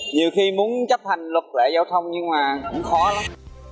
nhiều khi muốn chấp hành luật lệ giao thông nhưng mà cũng khó lắm